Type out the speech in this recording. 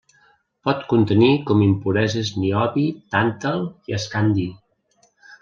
Pot contenir com impureses niobi, tàntal i escandi.